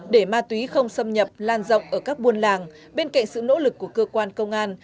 để ma túy không xâm nhập lan rộng ở các buôn làng bên cạnh sự nỗ lực của cơ quan công an